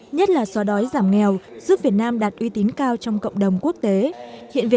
nhất là xóa đói giảm nghèo giúp việt nam đạt uy tín cao trong cộng đồng quốc tế